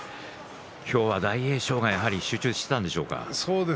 今日は大栄翔が集中していたんでしょうか。